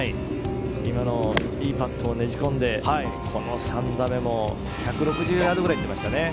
今のいいパットをねじ込んでこの３打目も１６０ヤードぐらいいきましたね。